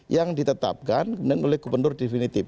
yang ditetapkan oleh gubernur definitif